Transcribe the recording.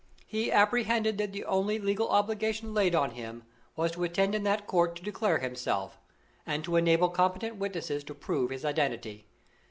He apprehended that the only legal obligation laid on him was to attend in that court to declare himself, and to enable competent witnesses to prove his identity.